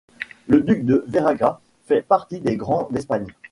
Le duc de Veragua fait partie des Grands d'Espagne.